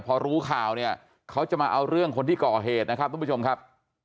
พอรู้ข่าวเนี่ยเขาจะมาเอาเรื่องคนที่ก่อเหตุนะครับทุกผู้ชมครับ